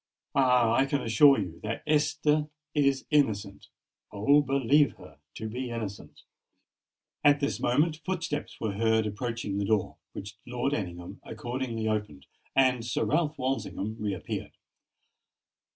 Ah! I can assure you, that Esther is innocent—oh! believe her to be innocent!" At this moment footsteps were heard approaching the door, which Lord Ellingham accordingly opened; and Sir Ralph Walsingham re appeared.